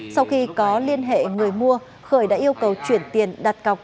sau khi có liên hệ người mua khởi đã yêu cầu chuyển tiền đặt cọc